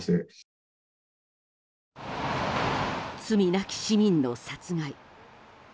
罪なき市民の殺害。